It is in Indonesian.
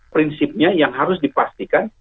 prinsipnya yang harus dipastikan